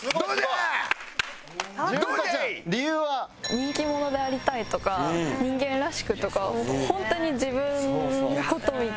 「人気者でありたい」とか「人間らしく」とか。